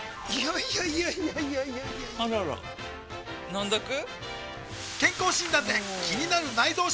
いやいやいやいやあらら飲んどく？